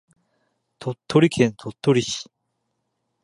鳥取県鳥取市